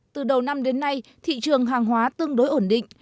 từ đầu năm đến nay thị trường hàng hóa tương đối ổn định